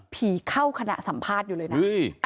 เข้าคณะสัมภาษณ์อยู่เลยนะ